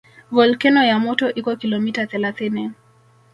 Volkeno ya moto iko kilomita thelathini